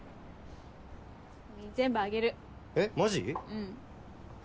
うん。